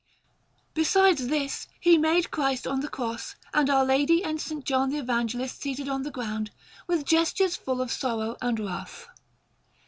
Beside this he made Christ on the Cross, and Our Lady and S. John the Evangelist seated on the ground, with gestures full of sorrow and wrath.